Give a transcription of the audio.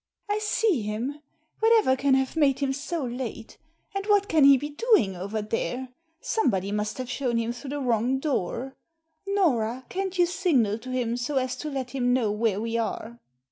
"I see him. Whatever can have made him so late? And what can he be doing over there ? Some body must have shown him through the wrong door. Nora, can't you signal to him, so as to let him know where we are?"